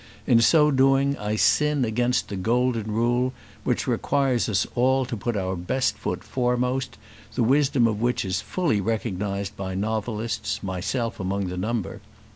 In so doing I sin against the golden rule which requires us all to put our best foot foremost, the wisdom of which is fully recognised by novelists, myself among the number.